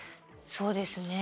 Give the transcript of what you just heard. そうですね。